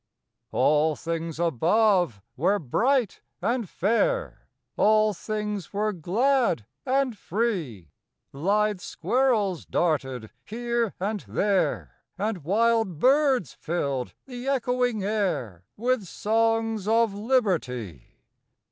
All things above were bright and fair, All things were glad and free; Lithe squirrels darted here and there, And wild birds filled the echoing air With songs of Liberty!